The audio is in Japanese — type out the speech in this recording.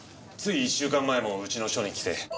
つい１週間前もうちの署に来て。